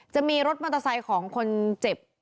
จะมีรถมตสายของคนเจ็บ